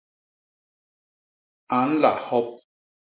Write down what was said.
A nla hop.